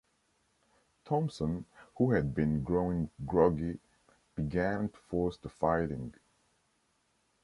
Thompson, who had been growing groggy, began to force the fighting.